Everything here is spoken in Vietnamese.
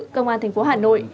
công an thành phố hà nội